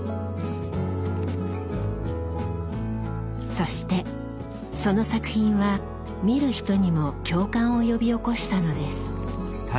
そしてその作品は見る人にも共感を呼び起こしたのです。